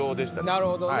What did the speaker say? なるほどね。